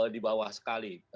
di bawah sekali